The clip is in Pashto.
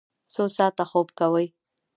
څو ساعته خوب کوئ؟